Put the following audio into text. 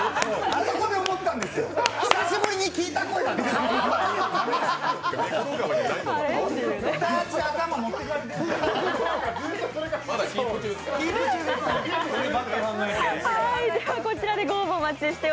あそこで思ったんですよ、久しぶりに聞いた声だって。